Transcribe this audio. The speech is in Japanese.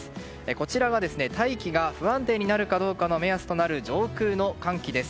こちらは大気が不安定になるかどうかの目安を示すものです。